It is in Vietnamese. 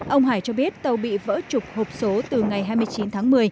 ông hải cho biết tàu bị vỡ trục hộp số từ ngày hai mươi chín tháng một mươi